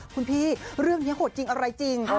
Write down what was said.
คุณพี่เรื่องนี้โหดจริงอะไรจริง